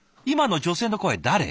今の女性の声誰？